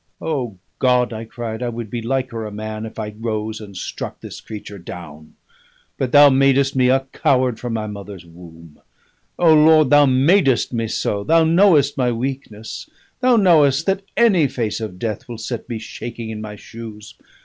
"O God!" I cried, "I would be liker a man if I rose and struck this creature down; but Thou madest me a coward from my mother's womb. O Lord, Thou madest me so, Thou knowest my weakness, Thou knowest that any face of death will set me shaking in my shoes.